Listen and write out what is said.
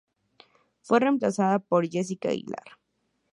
Fue reemplazada por Jessica Aguilar.